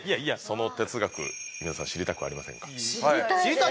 その哲学皆さん知りたくありませんか？